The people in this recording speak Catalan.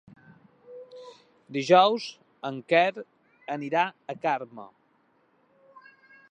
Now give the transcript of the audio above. Dijous en Quer anirà a Carme.